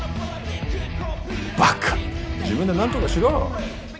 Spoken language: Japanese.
バカ自分で何とかしろ。